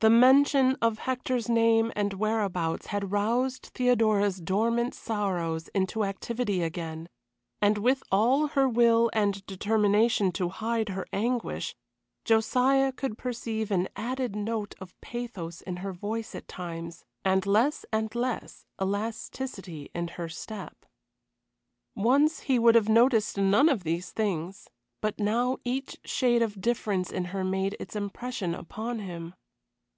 The mention of Hector's name and whereabouts had roused Theodora's dormant sorrows into activity again; and with all her will and determination to hide her anguish, Josiah could perceive an added note of pathos in her voice at times and less and less elasticity in her step. Once he would have noticed none of these things, but now each shade of difference in her made its impression upon him.